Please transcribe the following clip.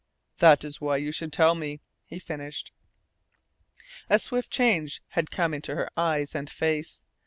"That is why you should tell me," he finished. A swift change had come into her eyes and face.